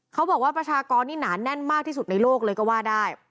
ประชากรนี่หนาแน่นมากที่สุดในโลกเลยก็ว่าได้